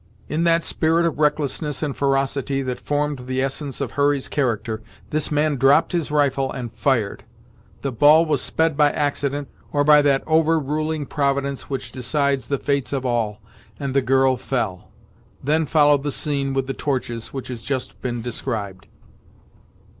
In that spirit of recklessness and ferocity that formed the essence of Hurry's character, this man dropped his rifle and fired. The ball was sped by accident, or by that overruling providence which decides the fates of all, and the girl fell. Then followed the scene with the torches, which has just been described.